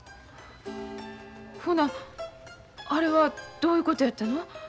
ほなあれはどういうことやったの？